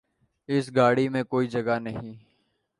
اس گاڑی میں کوئی جگہ نہیں